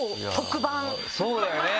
そうだよね！